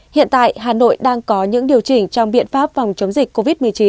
hiện tại hà nội đang có những điều chỉnh trong biện pháp phòng chống dịch covid một mươi chín